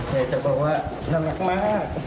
แกจะบอกว่านักมาก